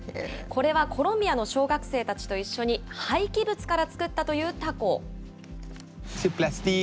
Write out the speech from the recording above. これはコロンビアの小学生たちと一緒に廃棄物から作ったというたこ。